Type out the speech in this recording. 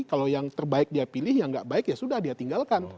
kalau yang terbaik dia pilih yang nggak baik ya sudah dia tinggalkan